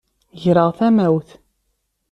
Greɣ tamawt.